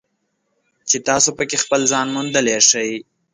چې تاسو پکې خپل ځان موندلی شئ.